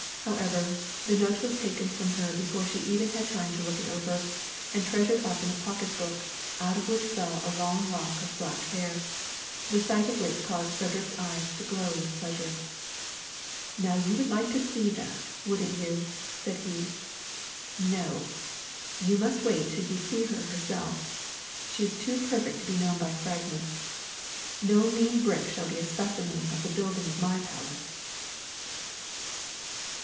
However, the note was taken from her before she had even had time to look it over, and treasured up in a pocket book, out of which fell a long lock of black hair, the sight of which caused Frederick's eyes to glow with pleasure. "Now you would like to see that, wouldn't you?" said he. "No! you must wait till you see her herself. She is too perfect to be known by fragments. No mean brick shall be a specimen of the building of my palace."